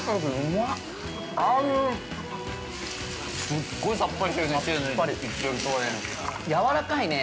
◆すごいさっぱりしてるね。